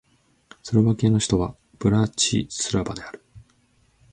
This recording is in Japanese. スロバキアの首都はブラチスラバである